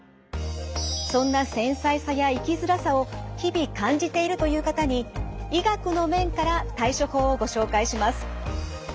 そんな繊細さや生きづらさを日々感じているという方に医学の面から対処法をご紹介します。